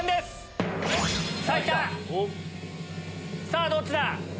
さぁどっちだ？